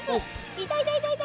いたいたいたいた！